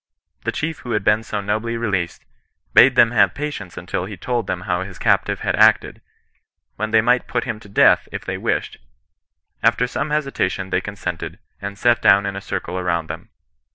The chief who had been so nobly released, bade them have patience until he had told them how his captive had acted, when they might put him to death if they wished ; after some hesitation they con sented, and sat down in a circle around them.